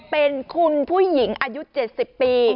เป็นคุณผู้หญิงอายุ๗๐ปี